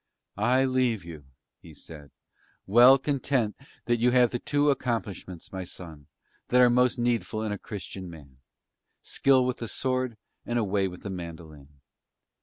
"I leave you," he said, "well content that you have the two accomplishments, my son, that are most needful in a Christian man, skill with the sword and a way with the mandolin.